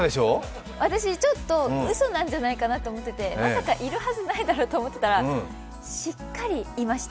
私ちょっとうそなんじゃないかなと思っててまさかいるはずないと思ってたらしっかりいました。